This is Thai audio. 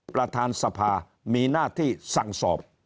ประธานสภามีหน้าที่สั่งสอบ